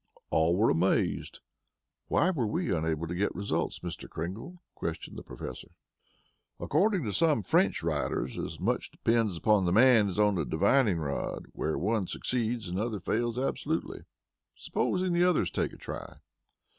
All were amazed. "Why were we unable to get results, Mr. Kringle?" questioned the Professor. "According to some French writers as much depends upon the man as on the divining rod. Where one succeeds another fails absolutely. Supposing the others take a try?"